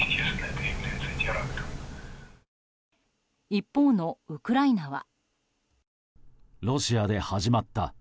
一方のウクライナは。